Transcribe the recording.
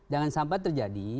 jangan sampai terjadi